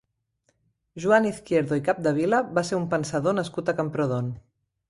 Joan Izquierdo i Capdevila va ser un pensador nascut a Camprodon.